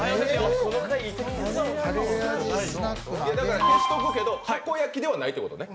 確認しとくけど、たこ焼きではないってことね。